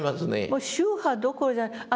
もう宗派どころじゃない。